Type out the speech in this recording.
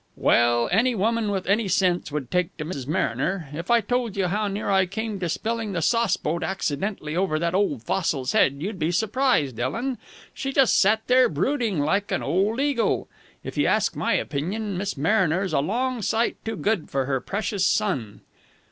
"Well, any woman with any sense would take to Miss Mariner. If I told you how near I came to spilling the sauce boat accidentally over that old fossil's head, you'd be surprised, Ellen. She just sat there brooding like an old eagle. If you ask my opinion, Miss Mariner's a long sight too good for her precious son!"